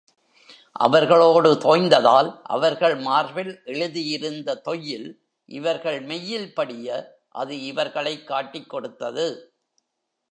அவர்களோடு தோய்ந்ததால் அவர்கள் மார்பில் எழுதியிருந்த தொய்யில் இவர்கள் மெய்யில் படிய அது இவர்களைக் காட்டிக் கொடுத்தது.